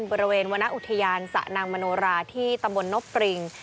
บริเวณวรรณอุทยานสะนางมโนราที่ตำบลนบปริง